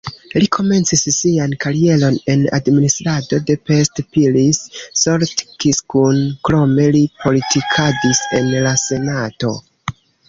Li komencis sian karieron en administrado de Pest-Pilis-Solt-Kiskun, krome li politikadis en la senato.